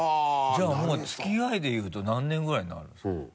じゃあもう付き合いでいうと何年ぐらいになるんですか？